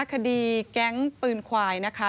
คดีแก๊งปืนควายนะคะ